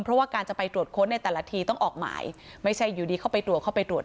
เพราะว่าการจะไปตรวจค้นในแต่ละทีต้องออกหมายไม่ใช่อยู่ดีเข้าไปตรวจเข้าไปตรวจ